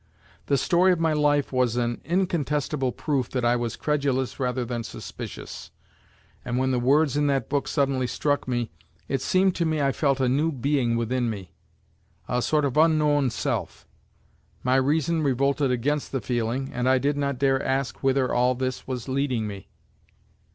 The story of my life was an incontestable proof that I was credulous rather than suspicious; and when the words in that book suddenly struck me, it seemed to me I felt a new being within me, a sort of unknown self; my reason revolted against the feeling, and I did not dare ask whither all that was leading me.